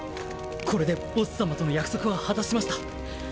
これでボッス様との約束は果たしました。